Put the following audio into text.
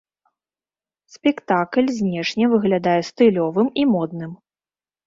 Спектакль знешне выглядае стылёвым і модным.